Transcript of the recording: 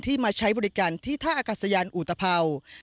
ที่มาใช้บริการที่ท่าอากาศยานอุตพราว